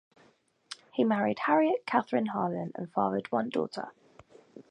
He married Harriet Catherine Harlan and fathered one daughter.